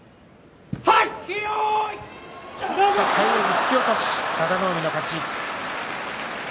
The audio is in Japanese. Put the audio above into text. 突き落とし佐田の海の勝ち。